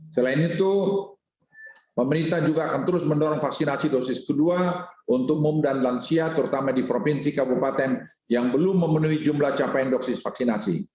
selain itu pemerintah juga akan terus mendorong vaksinasi dosis kedua untuk umum dan lansia terutama di provinsi kabupaten yang belum memenuhi jumlah capaian dosis vaksinasi